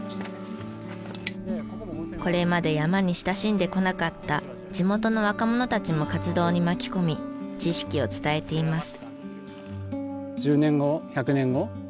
これまで山に親しんでこなかった地元の若者たちも活動に巻き込み知識を伝えています。